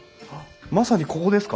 まさにここですか？